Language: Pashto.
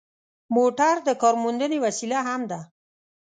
موټر د کارموندنې وسیله هم ده.